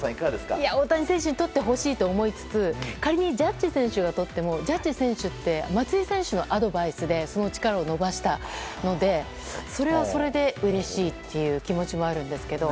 大谷選手にとってほしいと思いつつ仮にジャッジ選手がとってもジャッジ選手って松井選手のアドバイスでその力を伸ばしたのでそれはそれでうれしいという気持ちもあるんですけど